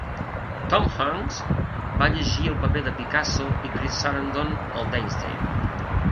Tom Hanks va llegir el paper de Picasso i Chris Sarandon el d'Einstein.